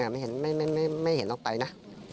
ไม่เห็นออกไปนะ